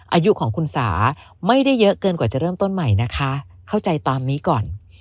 อายุของคุณสาไม่ได้เยอะเกินกว่าจะเริ่มต้นใหม่นะคะเข้าใจตามนี้ก่อน